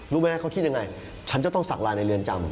รู้ไหมเขาคิดยังไงฉันจะต้องสักลายในเรือนจำ